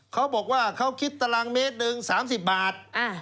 เขาบอกว่าเขาคิดตารางเมตรหนึ่ง๓๐บาท